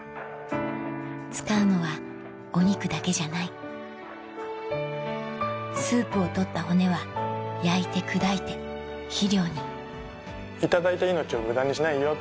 使うのはお肉だけじゃないスープを取った骨は焼いて砕いて肥料にいただいた命を無駄にしないよ。